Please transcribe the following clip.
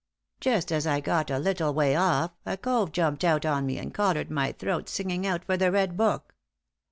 Just as I got a little way off a cove jumped out on me and collared my throat singing out for the red book.